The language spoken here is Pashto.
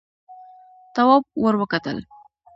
تواب ور وکتل: